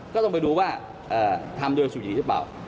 ก็ต้องไปดูว่าทำโดยสุยีหรือเปล่า